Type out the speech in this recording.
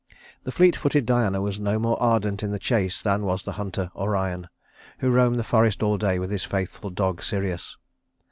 The fleet footed Diana was no more ardent in the chase than was the hunter Orion, who roamed the forest all day with his faithful dog, Sirius.